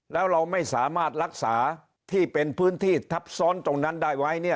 แล้วเราไม่สามารถรักษาที่เป็นพื้นที่ทับซ้อนตรงนั้นได้ไว้เนี่ย